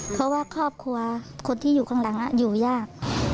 เพราะว่าครอบครัวคนที่อยู่ข้างหลังอยู่ยาก